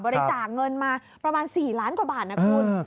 บริจาคเงินมาประมาณ๔ล้านกว่าบาทนะคุณ